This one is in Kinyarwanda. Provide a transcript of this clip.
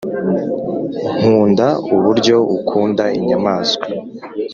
nkunda uburyo ukunda inyamaswa